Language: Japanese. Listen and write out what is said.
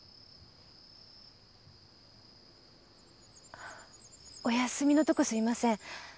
あお休みのとこすいません。